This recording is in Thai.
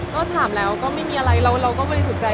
ก็ถามแล้วก็ไม่มีอะไรเราก็บริสุทธิ์ใจ